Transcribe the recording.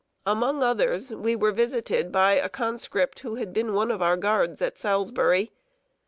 ] Among others, we were visited by a conscript, who had been one of our guards at Salisbury.